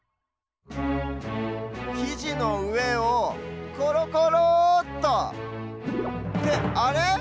きじのうえをコロコローっとってあれ？